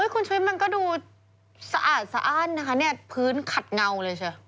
คุณชุวิตมันก็ดูสะอาดสะอ้านนะคะเนี่ยพื้นขัดเงาเลยใช่ไหม